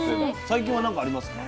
最近は何かありますか？